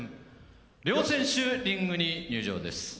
両選手、リングに入場です。